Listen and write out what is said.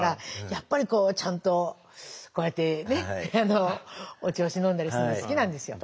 やっぱりちゃんとこうやってねお銚子飲んだりするの好きなんですよ。